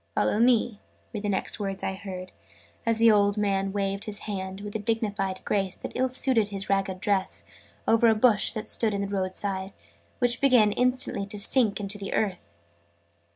"Follow me!" were the next words I heard, as the old man waved his hand, with a dignified grace that ill suited his ragged dress, over a bush, that stood by the road side, which began instantly to sink into the earth.